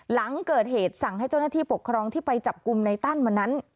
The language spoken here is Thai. หลังเกิดเหตุสั่งให้เจ้าหน้าที่ปกครองที่ไปจับกลุ่มในตั้นวันนั้น